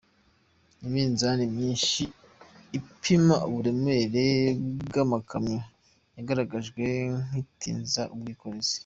Iminzani myinshi ipima uburemere bw’amakamyo yagaragajwe nk’itinza ubwikorezi.